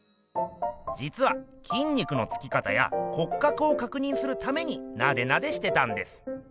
じつはきん肉のつき方や骨格をかくにんするためになでなでしてたんです。